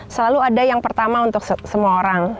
selalu ada yang pertama untuk semua orang